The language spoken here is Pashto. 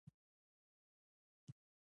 د دیوبند سره همغاړې وه.